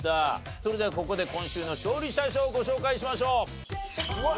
それではここで今週の勝利者賞をご紹介しましょう。